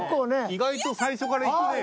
意外と最初からいくね。